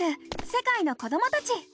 世界の子どもたち」。